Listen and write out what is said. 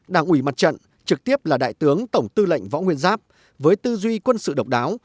đảng ủy mặt trận trực tiếp là đại tướng tổng tư lệnh võ nguyên giáp với tư duy quân sự độc đáo